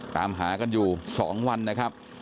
ตามหากันอยู่๒วันนะครับ